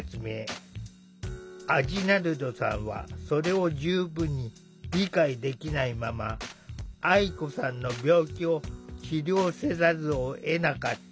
アジナルドさんはそれを十分に理解できないまま愛子さんの病気を治療せざるをえなかった。